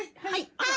はい！